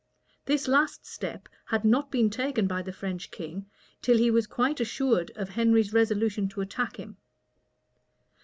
This last step had not been taken by the French king, till he was quite assured of Henry's resolution to attack him.